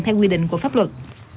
theo quy định của pháp luật